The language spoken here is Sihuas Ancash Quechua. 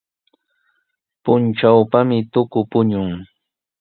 Puntrawpami tuku puñun.